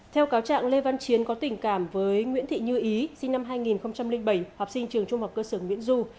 theo cáo trạng lê văn chiến có tình cảm với nguyễn thị như ý sinh năm hai nghìn bảy học sinh trường trung học cơ sở nguyễn du